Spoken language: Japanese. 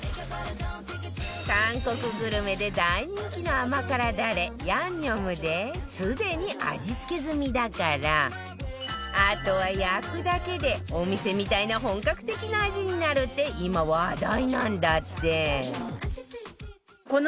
韓国グルメで大人気の甘辛ダレヤンニョムですでに味付け済みだからあとは焼くだけでお店みたいな本格的な味になるって今話題なんだって